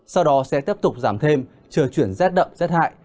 sau đó sẽ tiếp tục giảm thêm trời chuyển rét đậm rét hại